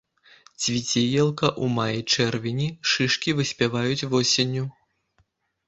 Цвіце елка ў маі-чэрвені, шышкі выспяваюць восенню.